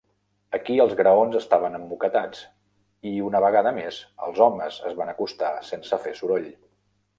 Aquí els graons estaven emmoquetats i, una vegada més, els homes es van acostar sense fer soroll.